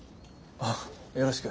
ああよろしく。